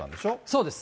そうです。